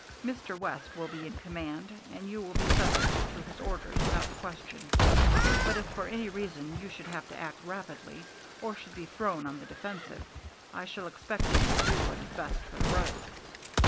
Mr. West will be in command, and you will be subject to his orders without question; but if for any reason you should have to act rapidly, or should be thrown on the defensive, I shall expect you to do what is best for the road.